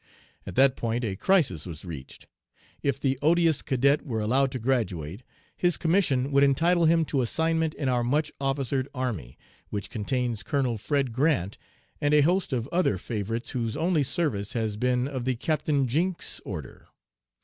At that point a crisis was reached. If the odious cadet were allowed to graduate, his commission would entitle him to assignment in our much officered army, which contains Colonel Fred Grant and a host of other favorites whose only service has been of the Captain Jinks order.